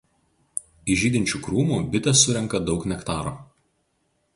Iš žydinčių krūmų bitės surenka daug nektaro.